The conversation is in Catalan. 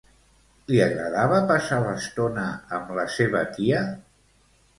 Li agradava passar l'estona amb la seva tia?